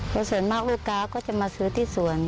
แล้วส่วนมากลูกค้าก็จะมาซื้อที่สวน